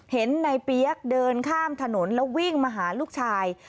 เห็นในเปี๊ยกเดินข้ามถนนแล้ววิ่งมาหาลูกชาย